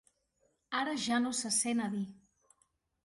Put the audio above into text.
Ara ja no se sent a dir.